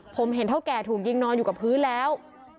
ผมเห็นเท่าแก่ถูกยิงนอนอยู่กับพื้นแล้ว